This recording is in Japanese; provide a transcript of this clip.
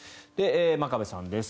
真壁さんです。